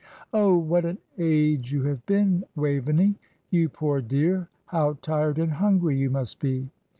"Oh! what an age you have been, Waveney! You poor dear, how tired and hungry you must be?"